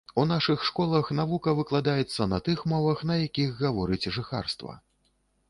У нашых школах навука выкладаецца на тых мовах, на якіх гаворыць жыхарства.